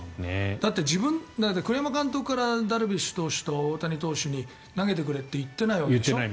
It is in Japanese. だって栗山監督からダルビッシュ投手と大谷投手に投げてくれって言ってないわけでしょ。